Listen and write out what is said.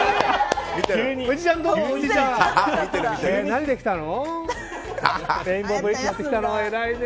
何で来たの？